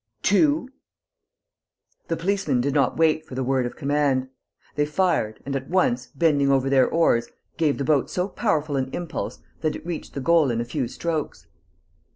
Two...." The policemen did not wait for the word of command. They fired and, at once, bending over their oars, gave the boat so powerful an impulse that it reached the goal in a few strokes.